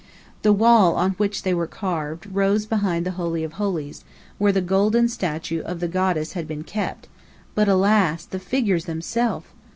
The wall on which they were carved rose behind the Holy of Holies, where the golden statue of the Goddess had been kept; but alas, the figures themselves!